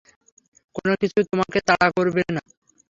কোনোকিছু তোমাকে তাড়া করবে না।